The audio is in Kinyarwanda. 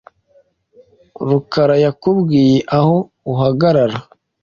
rukara yakubwiye aho uhagarara?